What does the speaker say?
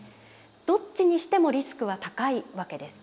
どっちにしてもリスクは高いわけです。